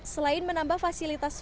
selain menambah fasilitas fisik